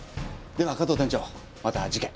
では加藤店長また次回。